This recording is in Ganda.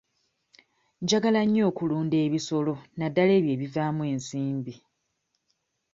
Njagala nnyo okulunda ebisolo naddala ebyo ebivaamu ensimbi.